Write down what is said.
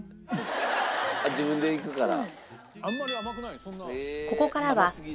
自分で行くから？